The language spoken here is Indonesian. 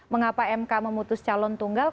mengapa mk memutus calon tunggal